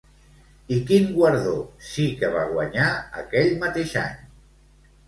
I quin guardó sí que va guanyar aquell mateix any?